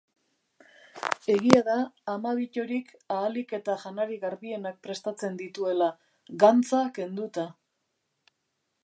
Egia da ama Bittorik ahalik eta janari garbienak prestatzen dituela, gantza kenduta